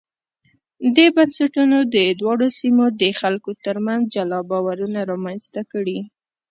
دې بنسټونو د دواړو سیمو د خلکو ترمنځ جلا باورونه رامنځته کړي.